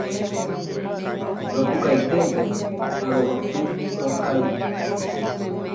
Ropukainténte ha roguapy rokay'u.